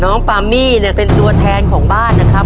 น้องปามี่เป็นตัวแทนของบ้านนะครับ